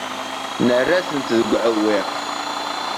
Nerra-tent deg uɛewwiq.